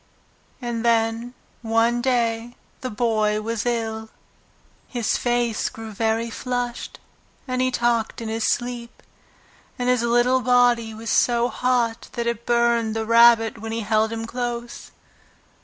And then, one day, the Boy was ill. His face grew very flushed, and he talked in his sleep, and his little body was so hot that it burned the Rabbit when he held him close.